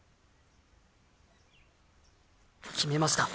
決めました。